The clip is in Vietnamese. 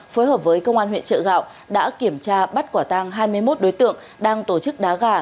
phối hợp với công an huyện trợ gạo đã kiểm tra bắt quả tang hai mươi một đối tượng đang tổ chức đá gà